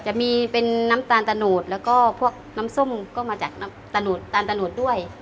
จะมีเป็นน้ำตาลตะโนดแล้วก็พวกน้ำส้มก็มาจากน้ำตาลตะโหดด้วย